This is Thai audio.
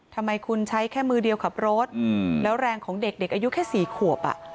ทำไมคุณใช้แค่มือเดียวขับรถแล้วแรงของเด็กเด็กอายุแค่๔ขวบ